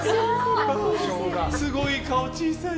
すごい、顔小さい！